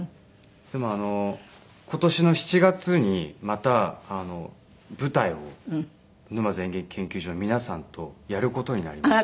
でも今年の７月にまた舞台を沼津演劇研究所の皆さんとやる事になりまして。